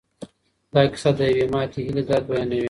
دا کیسه د یوې ماتې هیلې درد بیانوي.